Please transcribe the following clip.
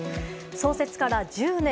創設から１０年。